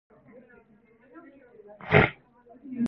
건드리지 마!